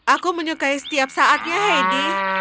aku menyukai setiap saatnya heidi